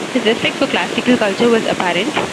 His respect for classical culture was apparent.